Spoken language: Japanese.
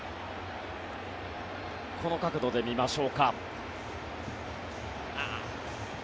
この角度で見ましょうか。